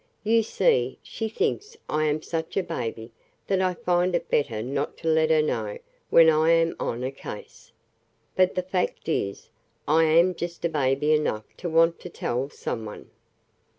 You see, she thinks I am such a baby that I find it better not to let her know when I am on a case. But the fact is, I am just baby enough to want to tell some one."